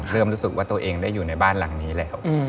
รู้สึกว่าตัวเองได้อยู่ในบ้านหลังนี้แล้ว